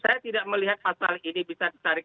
saya tidak melihat pasal ini bisa ditarik